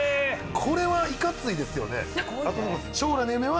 これはいかついですよね。